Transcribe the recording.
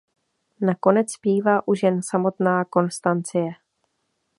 Nakonec zpívá už jen samotná Konstancie.